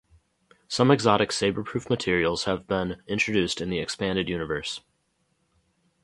Some exotic saber-proof materials have been introduced in the "Expanded Universe".